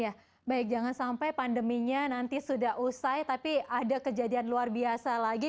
ya baik jangan sampai pandeminya nanti sudah usai tapi ada kejadian luar biasa lagi